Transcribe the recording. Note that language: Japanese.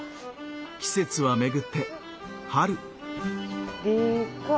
季節は巡って春。